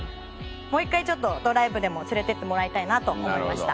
もう１回ちょっとドライブでも連れていってもらいたいなと思いました。